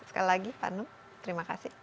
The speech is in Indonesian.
sekali lagi pak num terima kasih